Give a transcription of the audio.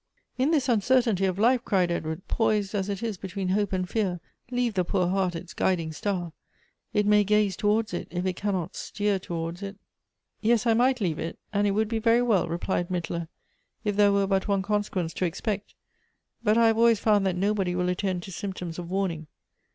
" In this uncertainty of life," cried Edward, " poised as it is between hope and fear, leave the poor heart its guiding star. It may gaze towards it, if it cannot steer towards it." " Yes, I might leave it ; and it would be very well," replied Mittler,*" if there were but one consequence to expect ; but I have always found that nobody will attend to symptoms of warning.